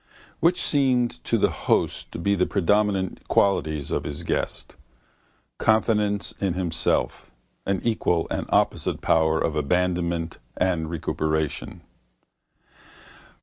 Which seemed to the host to be the predominant qualities of his guest? Confidence in himself, an equal and opposite power of abandonment and recuperation.